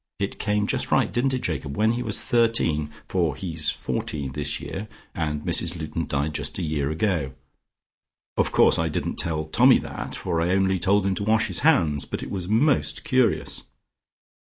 It came just right didn't it, Jacob? when he was thirteen, for he's fourteen this year, and Mrs Luton died just a year ago. Of course I didn't tell Tommy that, for I only told him to wash his hands, but it was most curious.